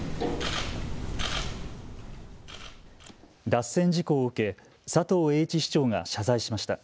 脱線事故を受け佐藤栄一市長が謝罪しました。